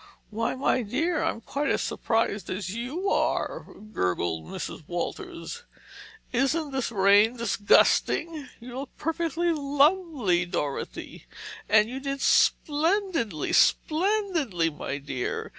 "Why, my dear, I'm quite as surprised as you are," gurgled Mrs. Walters. "Isn't this rain disgusting? You looked perfectly lovely Dorothy—and you did splendidly, splendidly, my dear.